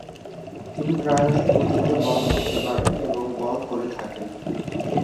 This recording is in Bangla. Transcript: তিনি প্রায়শই গতিতে বল করতে পারেন এবং বল করে থাকেন।